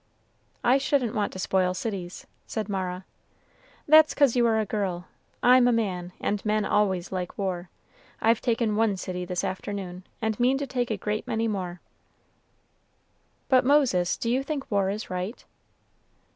"I shouldn't want to spoil cities!" said Mara. "That's 'cause you are a girl, I'm a man, and men always like war; I've taken one city this afternoon, and mean to take a great many more." "But, Moses, do you think war is right?"